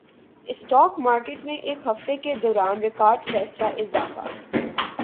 stock market میں ایک ہفتے کے دوران ریکارڈ فیصد اضافہ